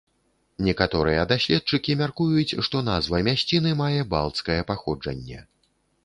Некаторыя даследчыкі мяркуюць, што назва мясціны мае балцкае паходжанне.